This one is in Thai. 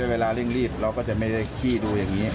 เวลาเร่งรีบเราก็จะไม่ได้ขี้ดูอย่างนี้